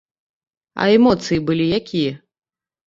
А эмоцыі былі якія?